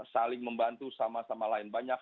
saling membantu sama sama lain banyak